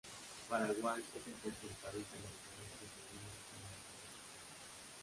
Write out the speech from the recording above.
Paraguay es el tercer país americano que se une a la organización.